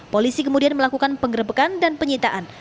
polisi kemudian melakukan penggerbekan dan penyitaan